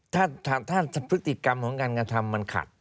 ถ้าพฤติกรรมของการกระทำมันขัด